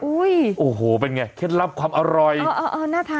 อู้ยโอ้โหเป็นไงเคล็ดลับความอร่อยเออเออเออน่าทาน